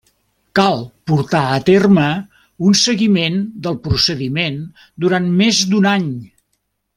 Cal portar a terme un seguiment del procediment durant més d'un any.